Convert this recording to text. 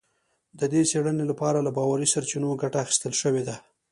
د دې څېړنې لپاره له باوري سرچینو ګټه اخیستل شوې ده